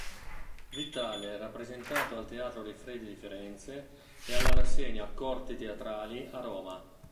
Vitale rappresentato al teatro Rifredi di Firenze e alla rassegna “Corti teatrali a Roma”.